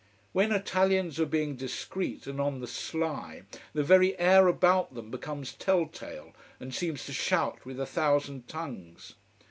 When Italians are being discreet and on the sly, the very air about them becomes tell tale, and seems to shout with a thousand tongues.